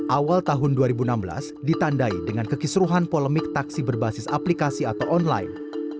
awal tahun dua ribu enam belas ditandai dengan kekisruhan polemik taksi berbasis aplikasi atau online